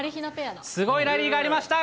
すごいラリーがありました。